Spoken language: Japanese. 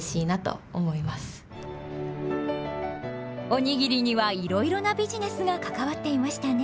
おにぎりにはいろいろなビジネスが関わっていましたね。